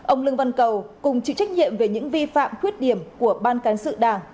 ông lương văn cầu cùng chịu trách nhiệm về những vi phạm khuyết điểm của ban cán sự đảng